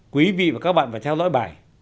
quý vị và các bạn phải theo dõi bài